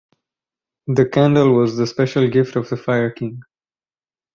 The candle was the special gift of the Fire King.